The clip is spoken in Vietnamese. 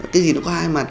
cái gì nó có hai mặt